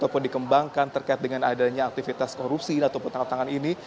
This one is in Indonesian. ataupun dikembangkan terkait dengan adanya aktivitas korupsi ataupun tangkap tangan ini